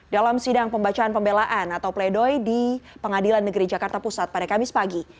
dalam sidang pembacaan pembelaan atau pledoi di pengadilan negeri jakarta pusat pada kamis pagi